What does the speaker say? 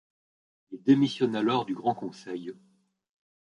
Il démissionne alors du Grand Conseil.